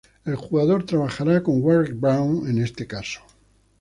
El jugador trabajará con Warrick Brown en este caso.